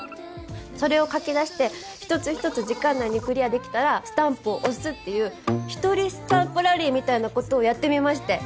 それを書きだして一つ一つ時間内にクリアできたらスタンプを押すっていう一人スタンプラリーみたいな事をやってみまして。